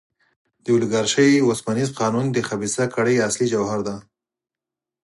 د اولیګارشۍ اوسپنیز قانون د خبیثه کړۍ اصلي جوهر دی.